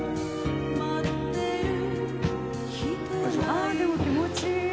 あぁでも気持ちいい。